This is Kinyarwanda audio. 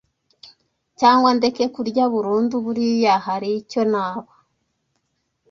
cyangwa ndeke kurya burundu buriya hari icyo naba